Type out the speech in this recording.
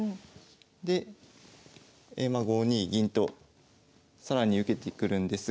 で５二銀と更に受けてくるんですが。